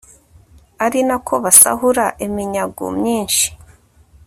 ari na ko basahura iminyago myinshi